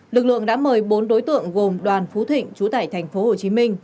lực lượng đã mời bốn đối tượng gồm đoàn phú thịnh chú tải thành phố hồ chí minh